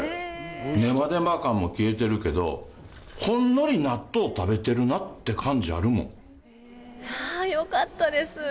ねばねば感も消えてるけど、ほんのり納豆食べてるなって感じあるよかったです。